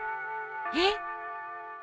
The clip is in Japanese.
えっ！？